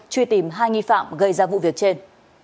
truy tìm hai nghi phạm gây ra vụ việc trên